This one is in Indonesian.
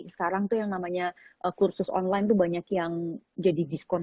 sekarang tuh yang namanya kursus online tuh banyak yang jadi diskon